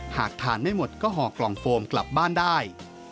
หากทานไม่หมดก็ห่อกล่องโฟมกลับบ้านได้